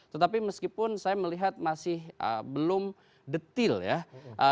tetapi meskipun saya melihat masih belum detail ya